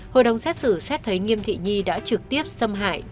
hội đồng xét xử xét thấy nghiêm thị nhi đã trực tiếp xâm hại